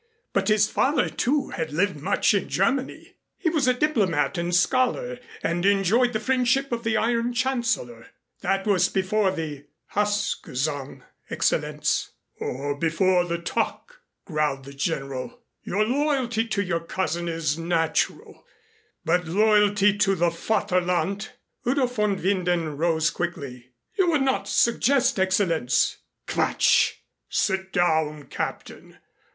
But his father, too, had lived much in Germany. He was a diplomat and scholar and enjoyed the friendship of the Iron Chancellor. That was before the 'Hassgesang,' Excellenz." "Or before the 'Tag,'" growled the General. "Your loyalty to your cousin is natural, but loyalty to the Vaterland " Udo von Winden rose quickly. "You would not suggest, Excellenz ?" "Quatsch! Sit down, Captain.